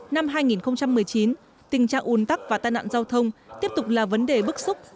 năm hai nghìn một mươi chín tình trạng ùn tắc và tai nạn giao thông tiếp tục là vấn đề bức xúc